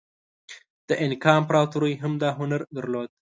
د اینکا امپراتورۍ هم دا هنر درلود.